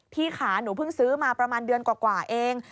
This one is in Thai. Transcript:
ค่ะหนูเพิ่งซื้อมาประมาณเดือนกว่าเอง